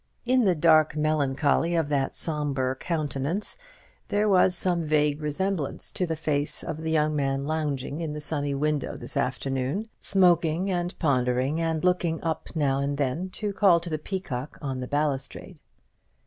In the dark melancholy of that sombre countenance there was some vague resemblance to the face of the young man lounging in the sunny window this afternoon, smoking and pondering, and looking up now and then to call to the peacock on the balustrade.